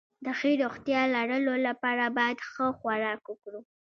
د ښې روغتيا لرلو لپاره بايد ښه خوراک وکړو